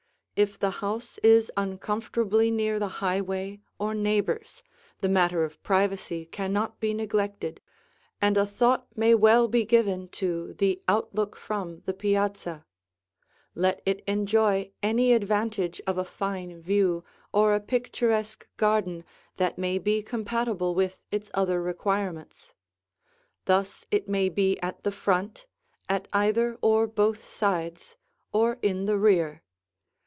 If the house is uncomfortably near the highway or neighbors, the matter of privacy cannot be neglected, and a thought may well be given to the outlook from the piazza. Let it enjoy any advantage of a fine view or a picturesque garden that may be compatible with its other requirements. Thus it may be at the front, at either or both sides, or in the rear.